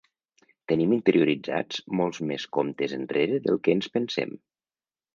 Tenim interioritzats molts més comptes enrere del que ens pensem.